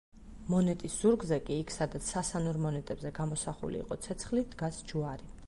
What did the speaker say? მონეტის ზურგზე, კი იქ სადაც სასანურ მონეტებზე გამოსახული იყო ცეცხლი, დგას ჯვარი.